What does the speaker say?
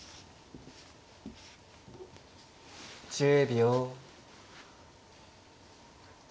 １０秒。